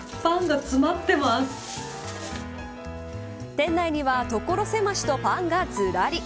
店内には所狭しとパンがずらり。